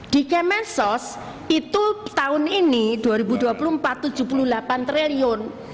di kemensos itu tahun ini dua ribu dua puluh empat tujuh puluh delapan triliun